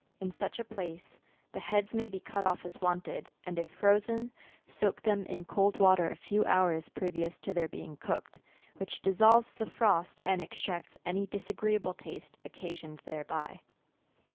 In such a place, the heads may be cut off as wanted, and if frozen, soak them in cold water a few hours previous to their being cooked, which dissolves the frost, and extracts any disagreeable taste occasioned thereby."